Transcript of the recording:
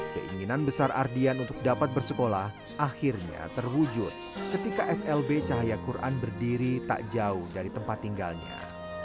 keinginan besar ardian untuk dapat bersekolah akhirnya terwujud ketika slb cahaya quran berdiri tak jauh dari tempat tinggalnya